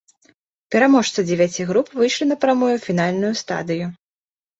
Пераможцы дзевяці груп выйшлі напрамую ў фінальную стадыю.